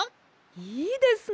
いいですね！